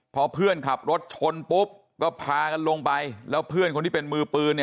พอเพื่อนขับรถชนปุ๊บก็พากันลงไปแล้วเพื่อนคนที่เป็นมือปืน